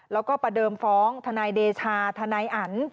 แล้วก็ประเดิมฟ้องทนายเดชาทนายอัน